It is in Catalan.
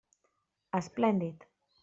Esplèndid!